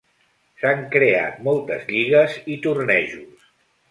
S'han creat moltes lligues i tornejos.